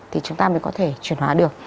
thì chúng ta mới có thể chuyển hóa được